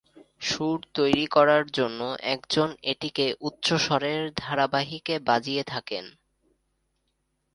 সুর তৈরি করার জন্য একজন এটিকে উচ্চ স্বরের ধারাবাহিকে বাজিয়ে থাকেন।